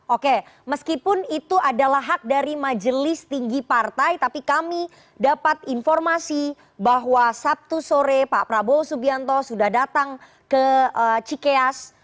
oke meskipun itu adalah hak dari majelis tinggi partai tapi kami dapat informasi bahwa sabtu sore pak prabowo subianto sudah datang ke cikeas